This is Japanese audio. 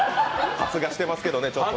発芽してますけどね、ちょっとね。